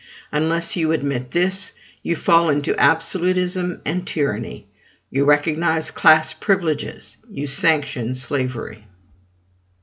Unless you admit this, you fall into absolutism and tyranny; you recognize class privileges; you sanction slavery.